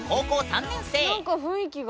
何か雰囲気が。